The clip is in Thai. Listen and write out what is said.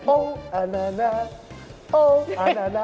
โออันนะนะ